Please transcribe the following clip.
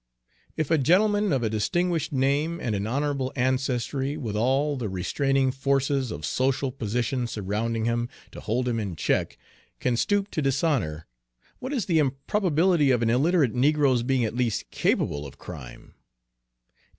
If a gentleman of a distinguished name and an honorable ancestry, with all the restraining forces of social position surrounding him, to hold him in check, can stoop to dishonor, what is the improbability of an illiterate negro's being at least capable of crime?"